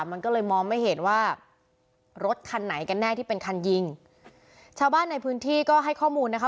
มันก็เลยมองไม่เห็นว่ารถคันไหนกันแน่ที่เป็นคันยิงชาวบ้านในพื้นที่ก็ให้ข้อมูลนะคะ